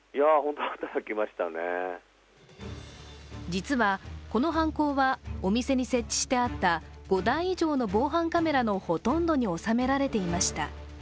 実は、この犯行はお店に設置してあった５台以上の防犯カメラのほとんどに収められていました。